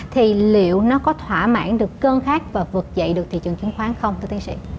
thì liệu nó có thỏa mãn được cơn khát và vực dậy được thị trường chứng khoán không thưa tiến sĩ